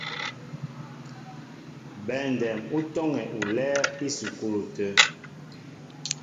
Bɛndɛm ú tɔ́ŋɛ olɛ́ɛ́ ísukúlu tə̂.